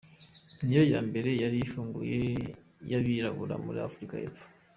Niyo ya mbere yari ifunguwe y’abirabura muri Africa y’Epfo.